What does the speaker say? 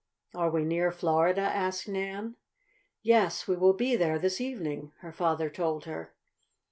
"Are we near Florida?" asked Nan. "Yes, we will be there this evening," her father told her.